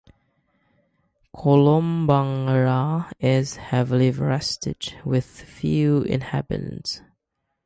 Kolombangara is heavily forested, with few inhabitants.